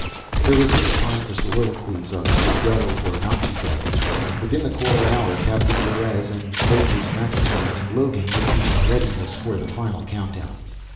There was little time for soliloquies of to go, or not to go; within the quarter hour, Captain Ruiz and Majors MacNamara and Logan would be in readiness for the final count down.